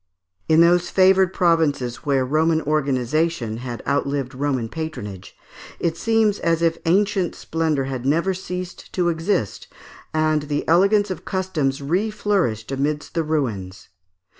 In those favoured provinces where Roman organization had outlived Roman patronage, it seems as if ancient splendour had never ceased to exist, and the elegance of customs re flourished amidst the ruins.